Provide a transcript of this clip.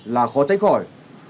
là khó trách khỏi